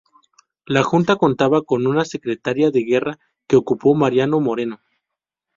La Junta contaba con una Secretaría de Guerra que ocupó Mariano Moreno.